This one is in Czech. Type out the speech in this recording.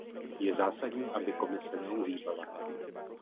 Je zásadní, aby Komise neuhýbala.